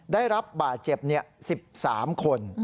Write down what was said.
ได้รับบาดเจ็บ๑๓คน